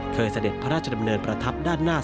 เคยสะเด็ดพระราชดำเนินประทับ